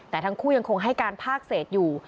แต่ทั้งคู่ยังคงให้การภาคเศษอยู่